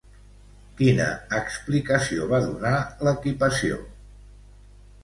Quina explicació va donar l'equipació?